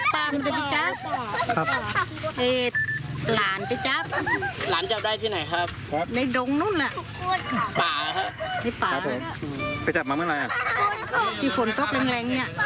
ไปจับมันเมื่อไร